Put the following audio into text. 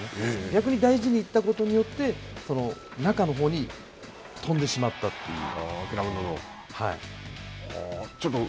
逆に大事に行ったことによって中のほうに飛んでしまったという。